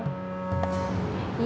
iya aku udah lapar